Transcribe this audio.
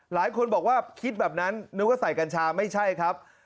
หลายคนบอกว่าคิดแบบนั้นนึกว่าใส่กัญชาไม่ใช่ครับ